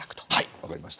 分かりました。